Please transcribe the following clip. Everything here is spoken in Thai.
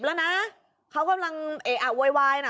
แล้วนะเขากำลังเอะอะโวยวายน่ะ